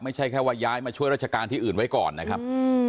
ไม่ใช่แค่ว่าย้ายมาช่วยราชการที่อื่นไว้ก่อนนะครับ